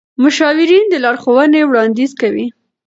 مشاورین د لارښوونې وړاندیز کوي.